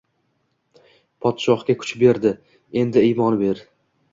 Podshohga kuch berding, endi iymon ber.